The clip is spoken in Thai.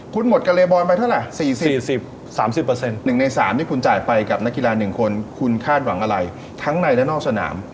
คุณหมดกับเรย์บอลไปเท่าไหร่๔๐๓๐เปอร์เซ็นต์๑ใน๓ที่คุณจ่ายไปกับนักกีฬาหนึ่งคนคุณคาดหวังอะไรทั้งในและนอกสนาม